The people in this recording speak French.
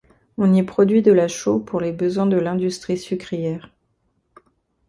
On y produit de la chaux pour les besoins de l’industrie sucrière.